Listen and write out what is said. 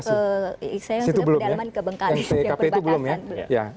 saya sudah ke dalam ke bengkali